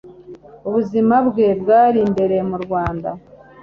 ubuzima bwe bwa mbere mu Rwanda,